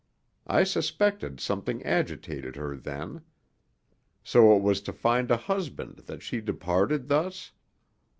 I suspected something agitated her then. So it was to find a husband that she departed thus?